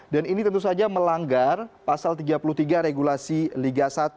dan ini tentu saja melanggar pasal tiga puluh tiga regulasi liga satu